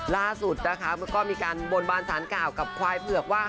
ล่าสุดนะคะก็มีการบนบานสารกล่าวกับควายเผือกว่า